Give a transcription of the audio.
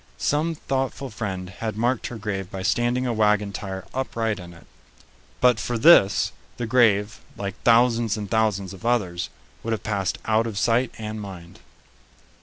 Some thoughtful friend had marked her grave by standing a wagon tire upright in it. But for this, the grave, like thousands and thousands of others, would have passed out of sight and mind.